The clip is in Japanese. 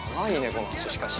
この橋、しかし。